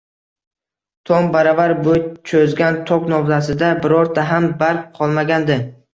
Tom baravar bo`y cho`zgan tok novdasida birorta ham barg qolmagandi